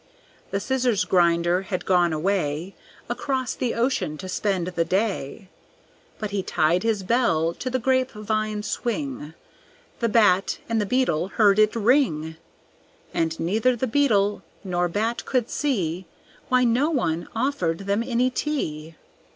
The Scissors grinder had gone away Across the ocean to spend the day; But he'd tied his bell to the grapevine swing. The Bat and the Beetle heard it ring, And neither the Beetle nor Bat could see Why no one offered them any tea.